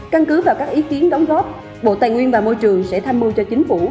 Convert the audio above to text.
căn cứ vào các ý kiến đóng góp bộ tài nguyên và môi trường sẽ tham mưu cho chính phủ